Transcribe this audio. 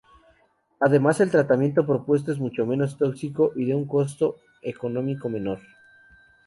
Además el tratamiento propuesto es mucho menos tóxico y de un costo económico menor.